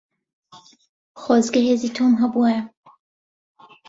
خۆزگە هێزی تۆم هەبوایە.